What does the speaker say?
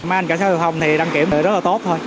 mấy anh cảnh sát giao thông thì đăng kiểm này rất là tốt thôi